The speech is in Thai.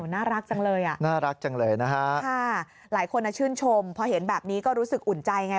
น่ารักจังเลยอ่ะค่ะหลายคนชื่นชมพอเห็นแบบนี้ก็รู้สึกอุ่นใจไง